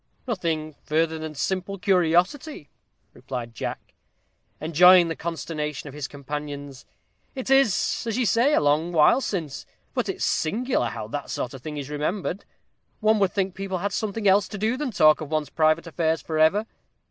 "Nothing further than simple curiosity," replied Jack, enjoying the consternation of his companions. "It is, as you say, a long while since. But it's singular how that sort of thing is remembered. One would think people had something else to do than talk of one's private affairs for ever.